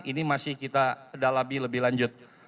ini masih kita dalami lebih lanjut